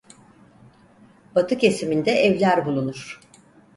Batı kesiminde evler bulunur.